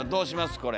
これ。